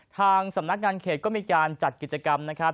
ทางสำนักงานเขตก็มีการจัดกิจกรรมนะครับ